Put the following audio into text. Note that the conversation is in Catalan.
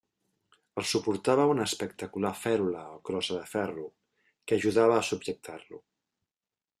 El suportava una espectacular fèrula o crossa de ferro, que ajudava a subjectar-lo.